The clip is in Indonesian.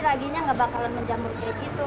raginya gak bakalan menjamur kayak gitu